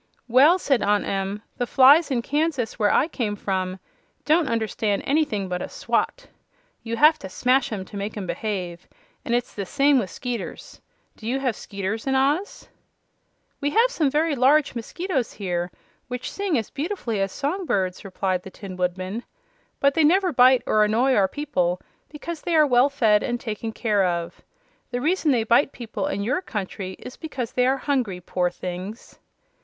"Well," said Aunt Em, "the flies in Kansas, where I came from, don't understand anything but a swat. You have to smash 'em to make 'em behave; and it's the same way with 'skeeters. Do you have 'skeeters in Oz?" "We have some very large mosquitoes here, which sing as beautifully as song birds," replied the Tin Woodman. "But they never bite or annoy our people, because they are well fed and taken care of. The reason they bite people in your country is because they are hungry poor things!"